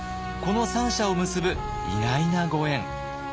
この三者を結ぶ意外なご縁。